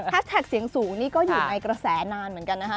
แท็กเสียงสูงนี่ก็อยู่ในกระแสนานเหมือนกันนะคะ